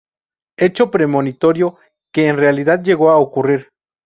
Hecho premonitorio que en realidad llegó a ocurrir.